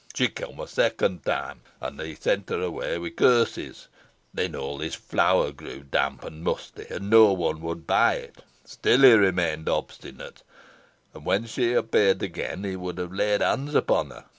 She came a second time, and he sent her away with curses. Then all his flour grew damp and musty, and no one would buy it. Still he remained obstinate, and, when she appeared again, he would have laid hands upon her.